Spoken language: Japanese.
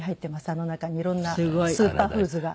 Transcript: あの中に色んなスーパーフーズが。